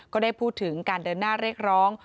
ก็ได้พูดถึงการเดินหน้าเรียกร้อง